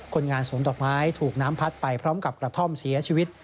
คนงานสวนดอกไม้ถูกน้ำพัดไปพร้อมกับกระท่อมเสียชีวิต